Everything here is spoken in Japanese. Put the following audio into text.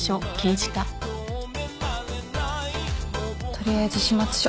とりあえず始末書。